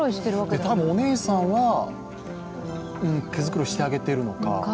多分、お姉さんは毛繕いしてあげてるのか。